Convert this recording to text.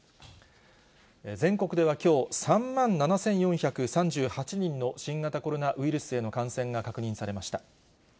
全国ではきょう、３万７４３８人の新型コロナウイルスへの感染が確認されました。